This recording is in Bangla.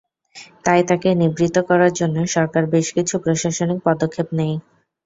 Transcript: তাই তাঁকে নিবৃত্ত করার জন্য সরকার বেশ কিছু প্রশাসনিক পদক্ষেপ নেয়।